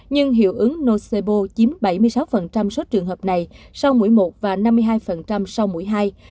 nhưng hiệu ứng nocsebo chiếm bảy mươi sáu số trường hợp này sau mũi một và năm mươi hai sau mũi hai